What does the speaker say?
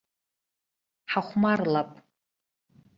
Ҳахәмарлап.